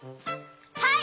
はい！